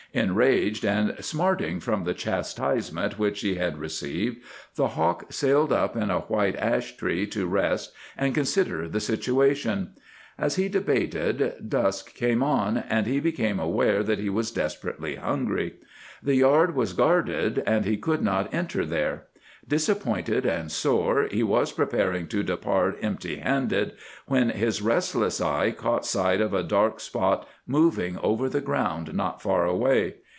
Enraged and smarting from the chastisement which he had received, the hawk sailed up in a white ash tree to rest and consider the situation. As he debated dusk came on, and he became aware that he was desperately hungry. The yard was guarded, and he could not enter there. Disappointed and sore, he was preparing to depart empty handed, when his restless eye caught sight of a dark spot moving over the ground not far away.